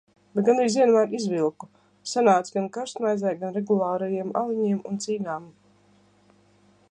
Bet gandrīz vienmēr izvilku, sanāca gan karstmaizei, gan regulārajiem aliņiem un cīgām.